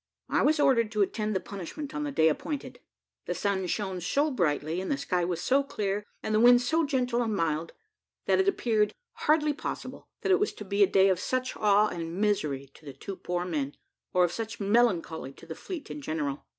I was ordered to attend the punishment on the day appointed. The sun shone so brightly, and the sky was so clear, and the wind so gentle and mild, that it appeared hardly possible that it was to be a day of such awe and misery to the two poor men, or of such melancholy to the fleet in general.